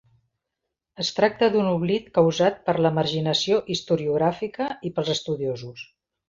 Es tracta d’un oblit causat per la marginació historiogràfica i pels estudiosos.